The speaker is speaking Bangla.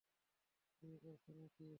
বিয়ে করছে না কি?